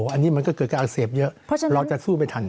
อันนี้มันก็เกิดการอักเสบเยอะเราจะสู้ไปทัน